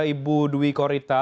ibu dwi korita